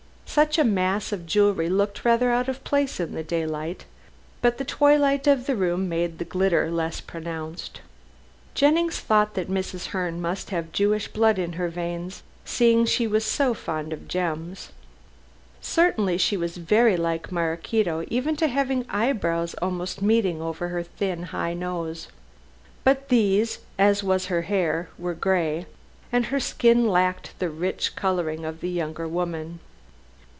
Such a mass of jewelry looked rather out of place in the daylight, but the twilight of the room made the glitter less pronounced. Jennings thought that Mrs. Herne must have Jewish blood in her veins, seeing she was so fond of gems. Certainly she was very like Maraquito, even to having eyebrows almost meeting over her thin high nose. But these, as was her hair, were gray, and her skin lacked the rich coloring of the younger woman.